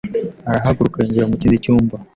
arahaguruka yinjira mu kindi cyumba.